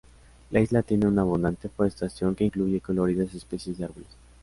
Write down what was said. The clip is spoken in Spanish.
La isla tiene una abundante forestación que incluye coloridas especies de árboles.